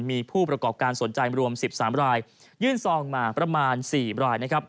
มีผู้ประกอบการสนใจรวม๑๓รายยื่นซองมาประมาณ๔รายนะครับ